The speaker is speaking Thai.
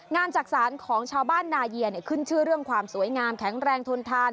จักษานของชาวบ้านนาเยียขึ้นชื่อเรื่องความสวยงามแข็งแรงทนทาน